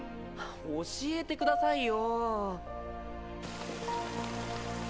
教えてくださいよ。